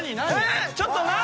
えっちょっと何？